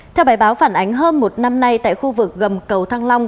theo bài báo phản ánh hơn một năm nay tại khu vực gầm cầu thăng long